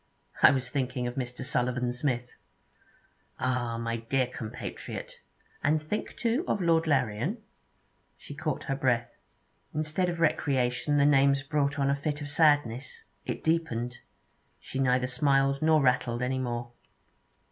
'I was thinking of Mr. Sullivan Smith.' 'Ah! my dear compatriot! And think, too, of Lord Larrian.' She caught her breath. Instead of recreation, the names brought on a fit of sadness. It deepened; shy neither smiled nor rattled any more.